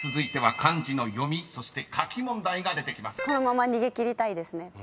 このまま逃げ切りたいですね。